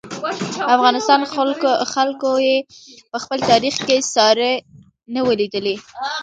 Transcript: افغانستان خلکو یې په خپل تاریخ کې ساری نه و لیدلی.